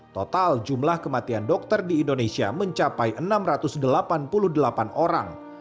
total jumlah kematian dokter di indonesia mencapai enam ratus delapan puluh delapan orang